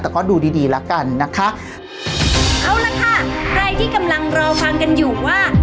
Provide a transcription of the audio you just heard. แต่ก็ดูดีดีละกันนะคะเอาละค่ะใครที่กำลังรอฟังกันอยู่ว่า